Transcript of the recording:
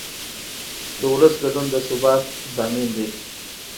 د ولس ګډون د ثبات ضامن دی